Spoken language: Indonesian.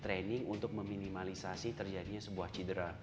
training untuk meminimalisasi terjadinya sebuah cedera